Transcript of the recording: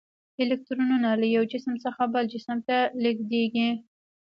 الکترونونه له یو جسم څخه بل جسم ته لیږدیږي.